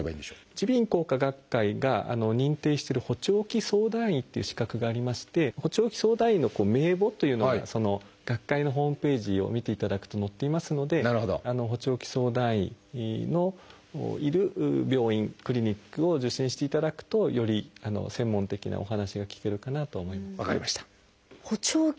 耳鼻咽喉科学会が認定してる「補聴器相談医」という資格がありまして補聴器相談医の名簿というのが学会のホームページを見ていただくと載っていますので補聴器相談医のいる病院クリニックを受診していただくとより専門的なお話が聞けるかなとは思います。